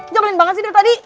cobain banget sih dari tadi